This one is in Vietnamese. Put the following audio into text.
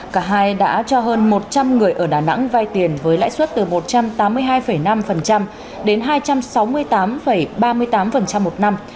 cả hai đã cho hơn một trăm linh người ở đà nẵng vay tiền với lãi suất từ một trăm tám mươi hai năm đến hai trăm sáu mươi tám ba mươi tám một năm